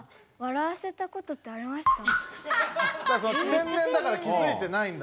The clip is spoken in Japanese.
天然だから気づいてないんだろうね。